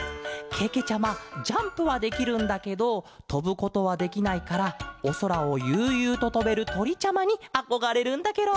けけちゃまジャンプはできるんだけどとぶことはできないからおそらをゆうゆうととべるとりちゃまにあこがれるんだケロ。